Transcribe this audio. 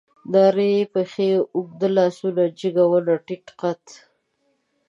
نرۍ پښې، اوږده لاسونه، جګه ونه، ټيټ قد